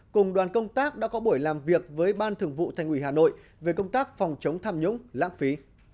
cùng đoàn công tác đã có buổi làm việc với ban thường vụ thành ủy hà nội về công tác phòng chống tham nhũng lãng phí